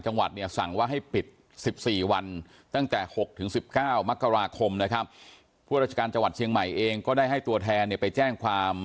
ก็สามารถไปร้องเท้า